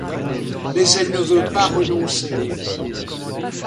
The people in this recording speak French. Mais elle ne veut pas renoncer.